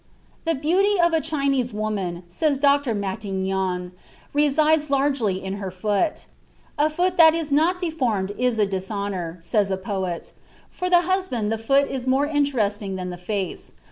(Mantegazza, La Donna, cap. IV.) "The beauty of a Chinese woman," says Dr. Matignon, "resides largely in her foot. 'A foot which is not deformed is a dishonor,' says a poet. For the husband the foot is more interesting than the face.